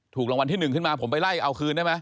ถูกรางวัลที่หนึ่งขึ้นมาผมไปไล่เอาคืนได้มั้ย